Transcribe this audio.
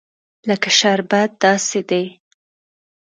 لکه شربت داسې دي.